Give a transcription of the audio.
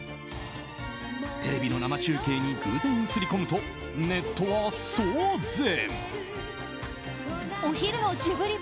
テレビの生中継に偶然映り込むとネットは騒然。